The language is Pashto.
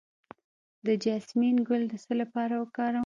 د جیسمین ګل د څه لپاره وکاروم؟